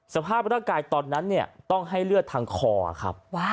สภาพร่างกายตอนนั้นเนี่ยต้องให้เลือดทางคอครับ